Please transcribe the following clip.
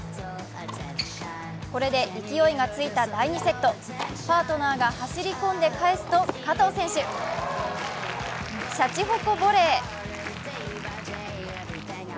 これで勢いがついた第２セットパートナーが走り込んで返すと加藤選手しゃちほこボレー。